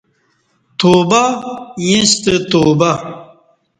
توبہ ییںستہ توبہ